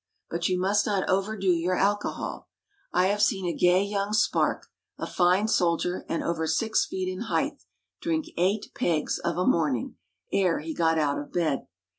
But you must not overdo your alcohol. I have seen a gay young spark, a fine soldier, and over six feet in height, drink eight pegs of a morning, ere he got out of bed.